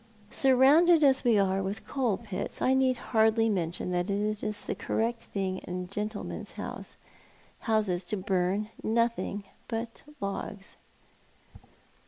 Surrounded as we are with coal pits, I need hardly mention that it is the correct thing in a gentleman's house to burn nothing but logs.